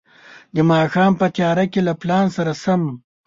د ماښام په تياره کې له پلان سره سم.